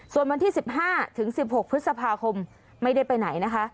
ส่วนวันที่๑๕๑๖พฤษภาคมไม่ได้ไปไหน